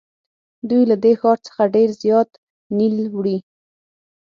دوی له دې ښار څخه ډېر زیات نیل وړي.